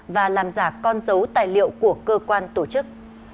và làm giả con dấu tài liệu của cơ quan tổ chức